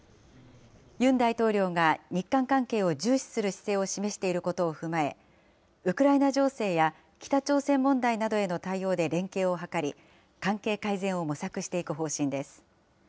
ユン大統領が日韓関係を重視する姿勢を示していることを踏まえ、ウクライナ情勢や北朝鮮問題などへの対応で連携を図り、関係改善を模索していく方針です。